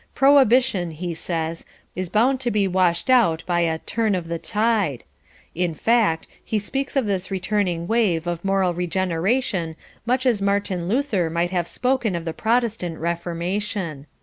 Prohibition, he says, is bound to be washed out by a "turn of the tide"; in fact, he speaks of this returning wave of moral regeneration much as Martin Luther might have spoken of the Protestant Reformation.